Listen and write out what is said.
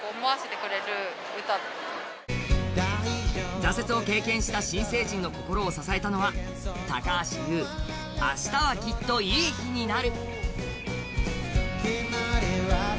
挫折を経験した新成人の心を支えたのは高橋優「明日はきっといい日になる」。